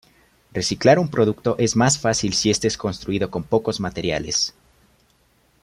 Reciclar un producto es más fácil si este es construido con pocos materiales.